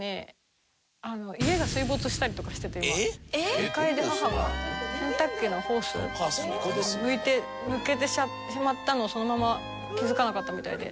２階で母が洗濯機のホースを抜いて抜けてしまったのをそのまま気付かなかったみたいで。